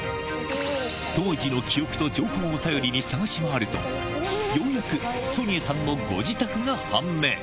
当時の記憶と情報を頼りに探し回ると、ようやくソニエさんのご自宅が判明。